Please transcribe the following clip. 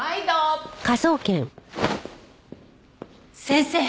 先生！